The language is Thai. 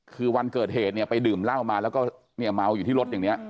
คือวันเกิดเหตุเนี่ยไปดื่มเหล้ามาแล้วก็เนี่ยเมาอยู่ที่รถอย่างนี้